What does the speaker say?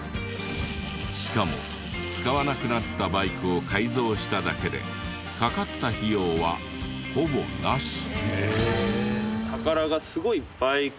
しかも使わなくなったバイクを改造しただけでかかった費用はほぼなし。